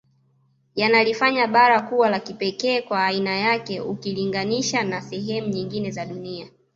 Yanalifanya bara kuwa la kipekee kwa aiana yake ukilinganisha na sehemu nyingine za dunia